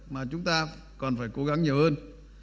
mà chúng ta còn phải cố gắng nhiều hơn